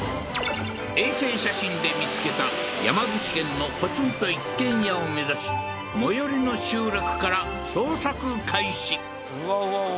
衛星写真で見つけた山口県のポツンと一軒家を目指し最寄りの集落から捜索開始うわうわうわ